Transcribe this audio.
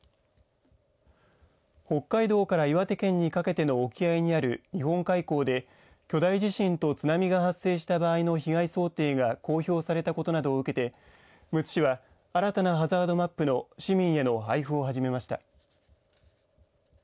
北海道から岩手県にかけての沖合にある日本海溝で巨大地震と津波が発生した場合の被害想定が公表されたことなどを受けてむつ市は新たなハザードマップの市民への配布を始めました。